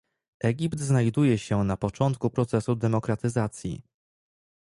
Egipt znajduje się na początku procesu demokratyzacji